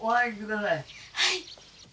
はい。